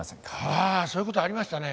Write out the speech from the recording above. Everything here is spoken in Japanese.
ああそういう事ありましたね。